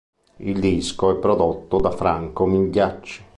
Il disco è prodotto da Franco Migliacci.